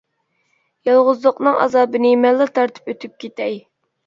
يالغۇزلۇقنىڭ ئازابىنى مەنلا تارتىپ ئۆتۈپ كېتەي.